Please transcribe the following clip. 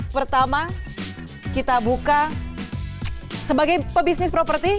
pertama kita buka sebagai pebisnis properti